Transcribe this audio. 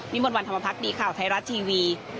นี่มันวันธรรมพักษ์ดีข่าวไทยรัฐทีวี